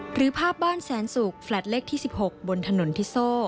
หรือภาพบ้านแสนสุกแฟลตเลขที่๑๖บนถนนทิโซ่